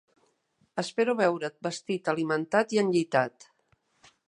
Espero veure't vestit, alimentat i enllitat.